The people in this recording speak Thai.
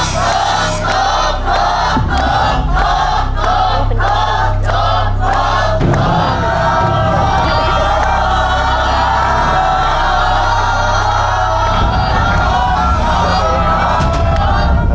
จบค่ะจบค่ะจบค่ะจบค่ะจบค่ะ